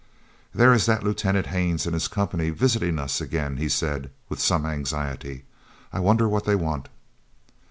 "There is that Lieutenant Haines and his company visiting us again," he said, with some anxiety. "I wonder what they want."